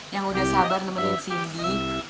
yang udah sabar nemenin sini